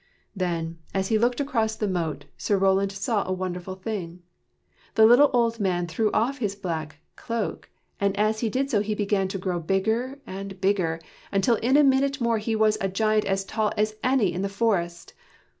Then, as he looked across the moat, Sir Roland saw a wonderful thing. The little old man threw off his black cloak, and as he did so he began to grow bigger and bigger, until in a minute more he was a giant as tall as any in the forest.